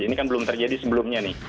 ini kan belum terjadi sebelumnya nih